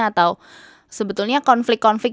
atau sebetulnya konflik konflik